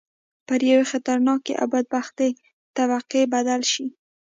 پر یوې خطرناکې او بدبختې طبقې بدل شي.